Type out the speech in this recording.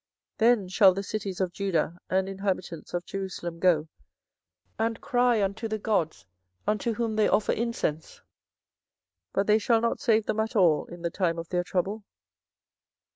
24:011:012 Then shall the cities of Judah and inhabitants of Jerusalem go, and cry unto the gods unto whom they offer incense: but they shall not save them at all in the time of their trouble.